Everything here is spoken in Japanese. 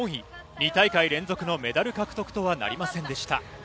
２大会連続のメダル獲得とはなりませんでした。